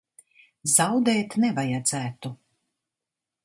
Zaudēt nevajadzētu.